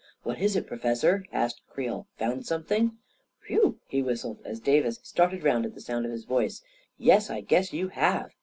" What is it, Professor? " asked Creel. " Found something? Whew I " he whistled, as Davis started round at sound of his voice. "Yes, I guess you have!"